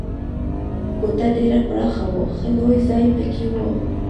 کوټه ډېره پراخه وه، ښه لوی ځای پکې و.